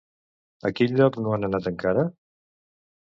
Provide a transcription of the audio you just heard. A quin lloc no han anat encara?